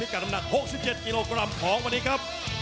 กับน้ำหนัก๖๗กิโลกรัมของวันนี้ครับ